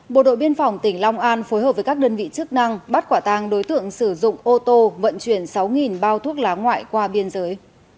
bộ đội biên phòng tỉnh long an phối hợp với các đơn vị chức năng bắt quả tang đối tượng sử dụng ô tô vận chuyển sáu bao thuốc lá ngoại qua biên giới